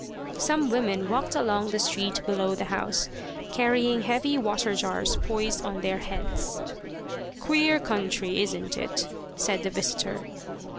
Some women walked along the street below the house, carrying heavy water jars poised on their heads. "Queer country, isn't it?" said the visitor.